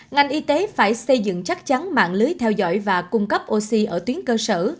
ngành y tế phải xây dựng chắc chắn mạng lưới theo dõi và cung cấp oxy ở tuyến cơ sở